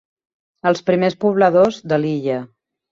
Els primers pobladors de l'illa.